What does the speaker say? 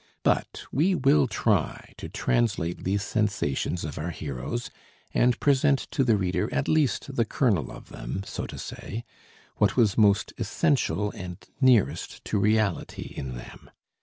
But we will try to translate these sensations of our hero's, and present to the reader at least the kernel of them, so to say, what was most essential and nearest to reality in them.